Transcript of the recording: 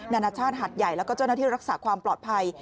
นานาชาติหัดใหญ่แล้วก็เจ้าหน้าที่รักษาความปลอดภัย